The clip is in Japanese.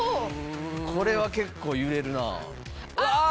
これは結構揺れるなあ。